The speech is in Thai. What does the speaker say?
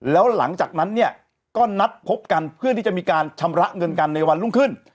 แล้วหลังจากนั้นเนี่ยก็นัดพบกันเพื่อที่จะมีการชำระเงินกันในวันรุ่งขึ้น